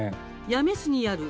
八女市にある鈍